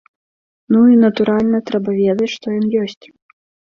Ну і, натуральна, трэба ведаць, што ён ёсць.